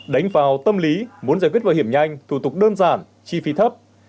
đánh vào tâm lý muốn giải quyết bảo hiểm nhanh thủ tục đơn giản chi phí thấp